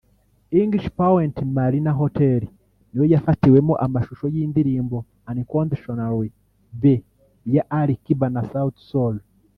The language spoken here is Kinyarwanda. English Point Marina Hotel niyo yafatiwemo amashusho y’indirimbo ’Unconditionally Bae’ ya Ali Kiba na Sauti Sol